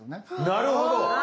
なるほど！